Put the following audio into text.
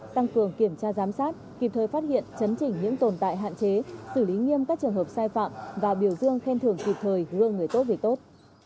tăng cường kiểm tra giám sát kịp thời phát hiện chấn chỉnh những tồn tại hạn chế xử lý nghiêm các trường hợp sai phạm và biểu dương khen thưởng kịp thời gương người tốt việc tốt